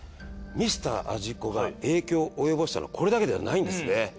『ミスター味っ子』が影響を及ぼしたのはこれだけではないんですね。